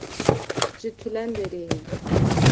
ji Tulenderê ye